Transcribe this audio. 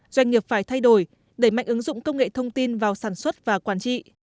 doanh nghiệp phải thay đổi đẩy mạnh ứng dụng công nghệ thông tin vào sản xuất và quản trị